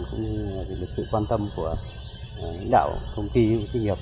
cũng như là được sự quan tâm của đảo công ty công ty nghiệp